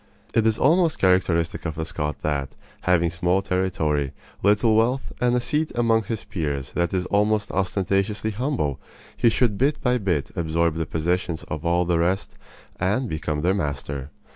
It is almost characteristic of the Scot that, having small territory, little wealth, and a seat among his peers that is almost ostentatiously humble, he should bit by bit absorb the possessions of all the rest and become their master.